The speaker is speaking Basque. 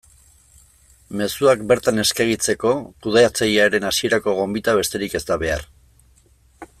Mezuak bertan eskegitzeko kudeatzailearen hasierako gonbita besterik ez da behar.